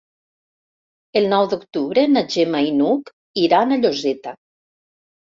El nou d'octubre na Gemma i n'Hug iran a Lloseta.